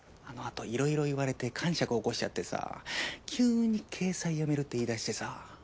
あのあといろいろ言われてかんしゃくおこしちゃってさ急に掲載やめるって言いだしてさ。